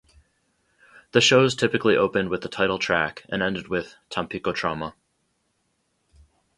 The shows typically opened with the title track and ended with "Tampico Trauma".